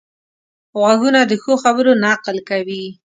غوږونه د ښو خبرو نقل کوي